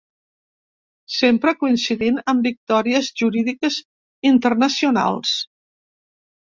Sempre coincidint amb victòries jurídiques internacionals.